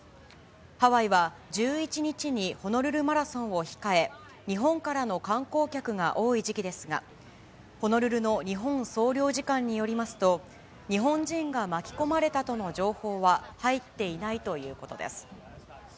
ハワイは１１日にホノルルマラソンを控え、日本からの観光客が多い時期ですが、ホノルルの日本総領事館によりますと、日本人が巻き込まれたとの情報は入っていないということです。